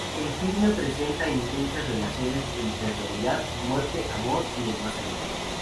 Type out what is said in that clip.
El filme presenta intensas relaciones entre realidad, muerte, amor y el más allá.